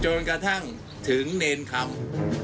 จนกระทั่งถึงเนรคำ